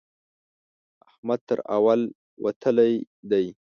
احمد تر اول وتلی دی.